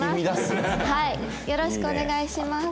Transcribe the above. よろしくお願いします。